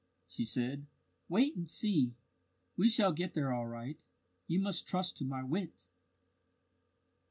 she said. "Wait and see. We shall get there all right. You must trust to my wit."